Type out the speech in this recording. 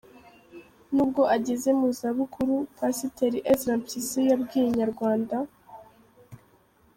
N’ubwo ageze mu za bukuru, Pasiteri Ezra Mpyisi yabwiye Inyarwanda.